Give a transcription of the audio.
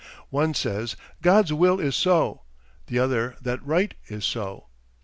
One says God's will is so; the other that Right is so.